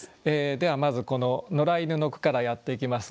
ではまずこの野良犬の句からやっていきます。